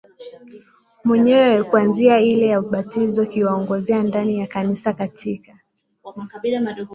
mwenyewe kuanzia ile ya ubatizo kiwaongoze ndani ya Kanisa katika